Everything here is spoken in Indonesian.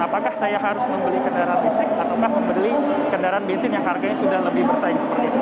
apakah saya harus membeli kendaraan listrik atau membeli kendaraan bensin yang harganya sudah lebih bersaing seperti itu